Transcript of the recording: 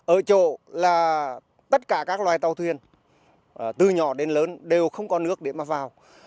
ở chỗ là tất cả các loài tàu thuyền từ nhỏ đến lớn đều không có nước để mà vào